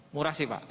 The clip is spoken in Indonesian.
murah sih pak